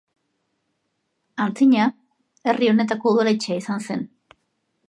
Antzina herri honetako udaletxea izan zen.